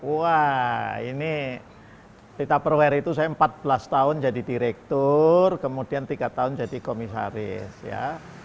wah ini di tupperware itu saya empat belas tahun jadi direktur kemudian tiga tahun jadi komisaris ya